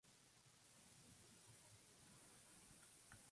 El volante "Swing-away" se hizo opcional.